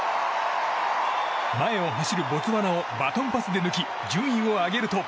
前を走るボツワナをバトンパスで抜き順位を上げると。